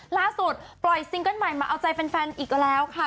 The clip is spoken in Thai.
ล่าสุดปล่อยซิงเกิ้ลใหม่มาเอาใจแฟนอีกแล้วค่ะ